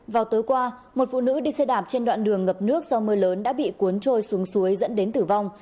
vào tối qua một phụ nữ đi xe đạp trên đoạn đường ngập nước do mưa lớn đã bị cuốn trôi xuống suối dẫn đến tử vong